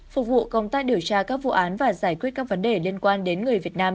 phục vụ công tác điều tra các vụ án và giải quyết các vấn đề liên quan đến người việt nam